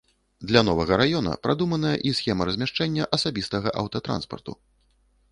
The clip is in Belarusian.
Для новага раёна прадуманая і схема размяшчэння асабістага аўтатранспарту.